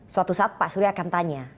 suatu saat pak surya akan tanya